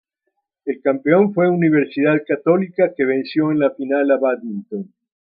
El campeón fue Universidad Católica que venció en la final a Badminton.